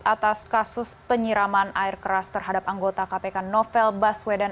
atas kasus penyiraman air keras terhadap anggota kpk novel baswedan